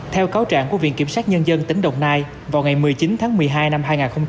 theo cáo trạng của viện kiểm sát nhân dân tỉnh đồng nai vào ngày một mươi chín tháng một mươi hai năm hai nghìn hai mươi ba